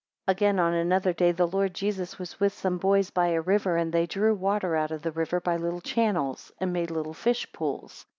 16 Again on another day the Lord Jesus was with some boys by a river, and they drew water out of the river by little channels, and made little fish pools.